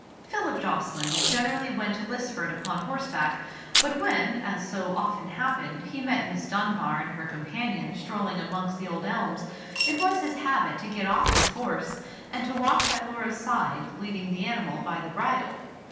Philip Jocelyn generally went to Lisford upon horseback; but when, as so often happened, he met Miss Dunbar and her companion strolling amongst the old elms, it was his habit to get off his horse, and to walk by Laura's side, leading the animal by the bridle.